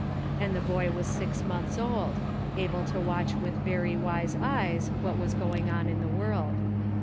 And the boy was six months old — able to watch with very wise eyes what was going on in the world.